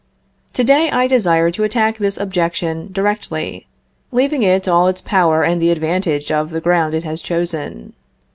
To day I desire to attack this objection directly, leaving it all its power and the advantage of the ground it has chosen.